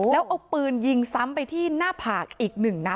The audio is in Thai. แล้วเอาปืนยิงซ้ำไปที่หน้าผากอีกหนึ่งนัด